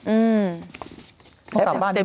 อือ